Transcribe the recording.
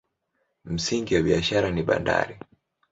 Msingi wa biashara ni bandari.